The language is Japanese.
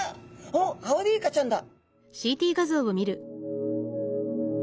おっアオリイカちゃんだ。